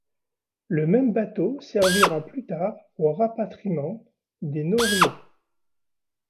Le même bateau servira plus tard au rapatriement des Nauruans.